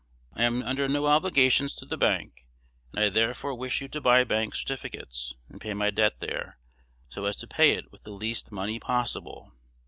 I am under no obligations to the bank; and I therefore wish you to buy bank certificates, and pay my debt there, so as to pay it with the least money possible.